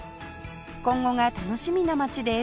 今後が楽しみな町です